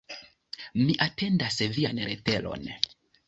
Mi atendas vian leteron.